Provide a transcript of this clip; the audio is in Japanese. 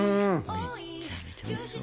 めちゃめちゃおいしそう。